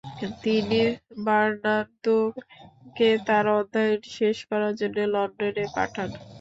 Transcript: তিনি বারনার্দোকে তার অধ্যায়ন শেষ করার জন্য লন্ডনে পাঠান।